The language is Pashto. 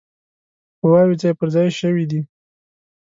قواوي ځای پر ځای شوي دي.